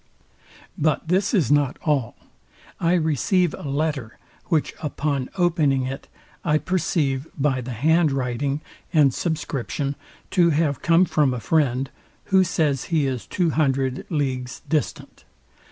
But this is not all. I receive a letter, which upon, opening it I perceive by the hand writing and subscription to have come from a friend, who says he is two hundred leagues distant.